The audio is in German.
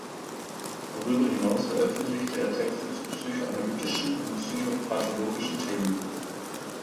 Darüber hinaus veröffentlichte er Texte zu psychoanalytischen und psychopathologischen Themen.